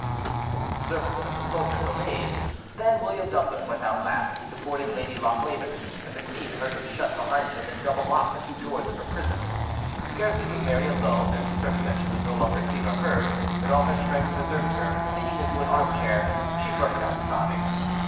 The servants and the soldiers obeyed; then William Douglas went out last, supporting Lady Lochleven, and the queen heard him shut behind him and double lock the two doors of her prison. Scarcely was Mary alone, and certain that she was no longer seen or heard, than all her strength deserted her, and, sinking into an arm chair, she burst out sobbing.